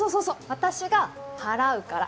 私が払うから。